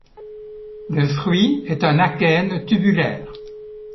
Le fruit est un achène tubulaire.